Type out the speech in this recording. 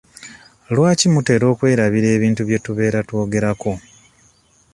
Lwaki mutera okwerabira ebintu bye tubeera twakayogerako?